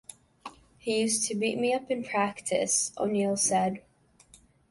"He used to beat me up in practice", O'Neal said.